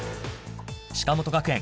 鹿本学園